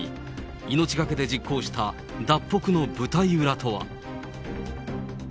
命懸けで実行した脱北の舞台裏とは。